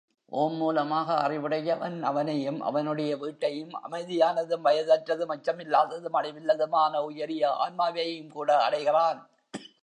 ஓம் மூலமாக அறிவுடையவன் அவனையும், அவனுடைய வீட்டையும் அமைதியானதும் வயதற்றதும் அச்சமில்லாததும் அழிவில்லாததுமான உயரிய ஆன்மாவையும்கூட அடைகிறான்.